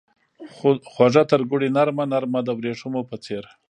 خوږه ترګوړې نرمه ، نرمه دوریښمو په څیر